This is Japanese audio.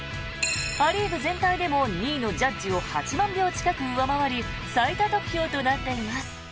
ア・リーグ全体でも２位のジャッジを８万票近く上回り最多得票となっています。